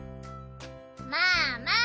まあまあ。